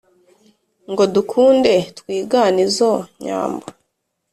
Ngo dukunde twigane izo nyambo